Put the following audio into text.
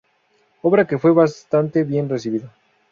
Obra que fue bastante bien recibida.